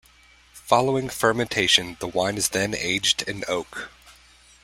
Following fermentation the wine is then aged in oak.